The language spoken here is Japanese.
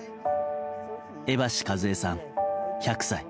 江橋一枝さん、１００歳。